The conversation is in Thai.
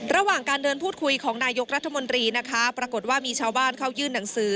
ระหว่างการเดินพูดคุยของนายกรัฐมนตรีนะคะปรากฏว่ามีชาวบ้านเข้ายื่นหนังสือ